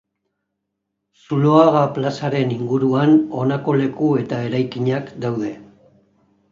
Zuloaga plazaren inguruan honako leku eta eraikinak daude.